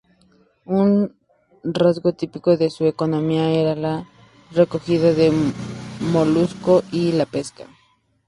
Un rasgo típico de su economía era la recogida de moluscos y la pesca.